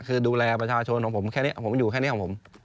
คือดูแลประชาชนของผมแค่นี้ผมอยู่แค่นี้ของผม